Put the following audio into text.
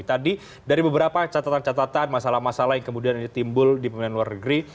tadi dari beberapa catatan catatan masalah masalah yang kemudian ini timbul di pemilihan luar negeri